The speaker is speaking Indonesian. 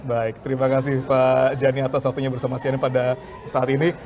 baik terima kasih pak janny atas waktunya bersama cnn pada saat ini